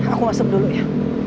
aku masuk dulu ya